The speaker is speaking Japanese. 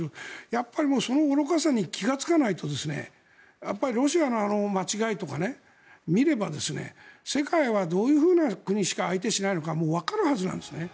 やっぱりその愚かさに気付かないとロシアの間違いとか見れば世界はどういうふうな国しか相手しないのかもうわかるはずなんですね。